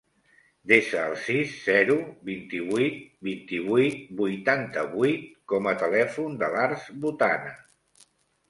Desa el sis, zero, vint-i-vuit, vint-i-vuit, vuitanta-vuit com a telèfon de l'Arç Botana.